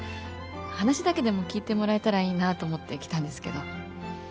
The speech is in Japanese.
話だけでも聞いてもらえたらいいなと思って来たんですけど。